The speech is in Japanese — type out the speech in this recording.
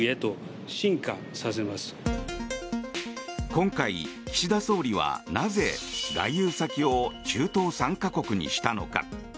今回、岸田総理はなぜ外遊先を中東３か国にしたのか。